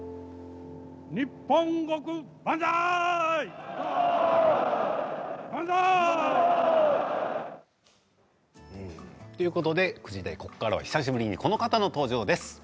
万歳！ということで、９時台ここからは久しぶりにこの方の登場です。